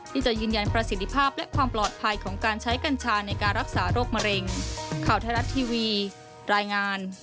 ที่จะยืนยันประสิทธิภาพและความปลอดภัยของการใช้กัญชาในการรักษาโรคมะเร็ง